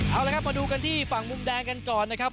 เอาละครับมาดูกันที่ฝั่งมุมแดงกันก่อนนะครับ